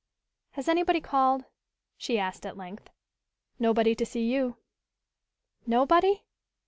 "Has anybody called?" she asked at length. "Nobody to see you." "Nobody?"